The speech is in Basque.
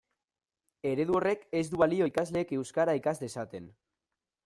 Eredu horrek ez du balio ikasleek euskara ikas dezaten.